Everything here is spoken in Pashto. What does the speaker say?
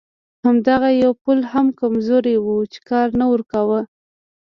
همدغه یو پل هم کمزوری و چې کار نه ورکاوه.